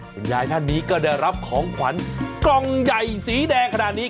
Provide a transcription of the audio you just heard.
คุณยายท่านนี้ก็ได้รับของขวัญกล่องใหญ่สีแดงขนาดนี้